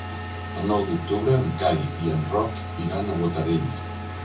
El nou d'octubre en Cai i en Roc iran a Botarell.